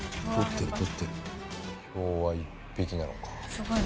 すごい。